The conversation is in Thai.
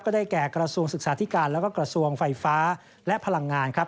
ได้แก่กระทรวงศึกษาธิการแล้วก็กระทรวงไฟฟ้าและพลังงานครับ